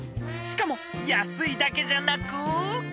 ［しかも安いだけじゃなく］